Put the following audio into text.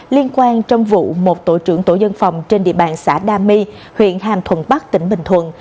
liên quan trong vụ một tổ trưởng tổ dân phòng trên địa bàn xã đa my huyện hàm thuận bắc tỉnh bình thuận